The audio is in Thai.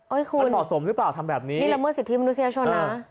โอ้ยคุณนี่ละเมื่อสิทธิ์มนุษยชนนะมันเหมาะสมหรือเปล่าทำแบบนี้